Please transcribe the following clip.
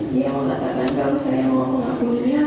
dia mengatakan kalau saya mau mengakuinya